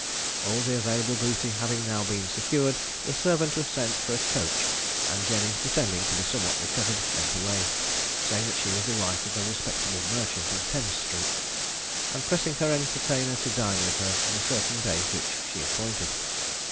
All the available booty having now been secured, the servant was sent for a coach, and Jenny, pretending to be somewhat recovered, went away, saying that she was the wife of a respectable merchant in Thames street, and pressing her entertainer to dine with her on a certain day, which she appointed.